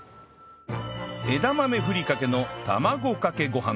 枝豆ふりかけの卵かけご飯